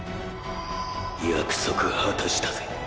約束果たしたぜ。